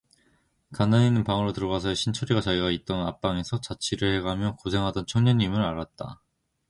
간난이는 방으로 들어가서야 신철이가 자기가 있던 앞방에서 자취를 해가며 고생하던 청년 임을 알았다.